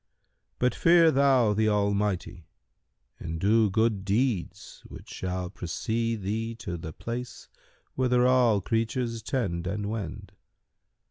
But fear thou the Almighty and do good deeds which shall precede thee to the place whither all creatures tend and wend.